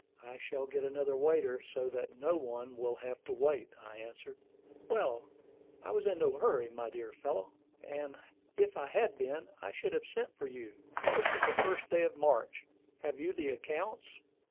I shall get another waiter, so that no one will have to wait," I answered. "Well, I was in no hurry, my dear fellow: if I had been, I should have sent for you. This is the first day of March. Have you the accounts?"